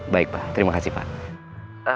baik pak terima kasih pak